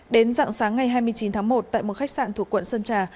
đến dạng sáng ngày hai mươi chín tháng một tại một khách sạn thuộc quận sơn trà